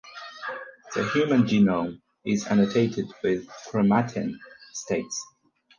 The human genome is annotated with chromatin states.